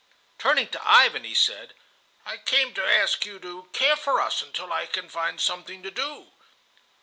Turning to Ivan he said: "I came to ask you to care for us until I can find something to do."